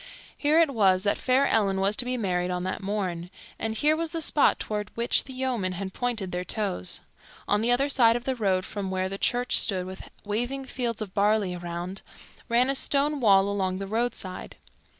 Here it was that fair Ellen was to be married on that morn, and here was the spot toward which the yeomen had pointed their toes. On the other side of the road from where the church stood with waving fields of barley around, ran a stone wall along the roadside.